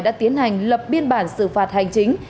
đã tiến hành lập biên bản xử phạt hành chính